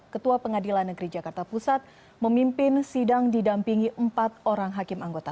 ketua pengadilan negeri jakarta pusat memimpin sidang didampingi empat orang hakim anggota